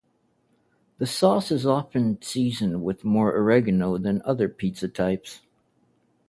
The sauce is often seasoned with more oregano than other pizza types.